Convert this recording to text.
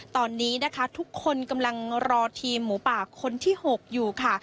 ตอนนี้นะคะทุกคนกำลังรอทีมหมูป่าคนที่๖อยู่ค่ะ